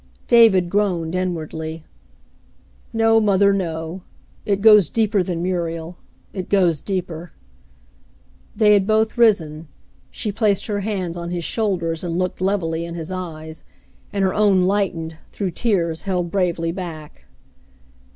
David groaned inwardly. "No, mother, no. It goes deeper than Muriel; it goes deeper." They had both risen. She placed her hands on his shoulders and looked levelly in his eyes, and her own lightened, through tears held bravely back.